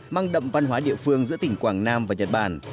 mang đậm văn hóa địa phương giữa tỉnh quảng nam và nhật bản